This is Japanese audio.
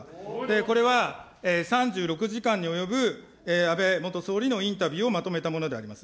これは３６時間に及ぶ安倍元総理のインタビューをまとめたものであります。